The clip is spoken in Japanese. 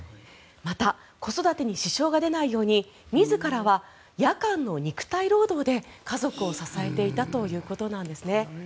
また、子育てに支障が出ないように自らは夜間の肉体労働で家族を支えていたということです。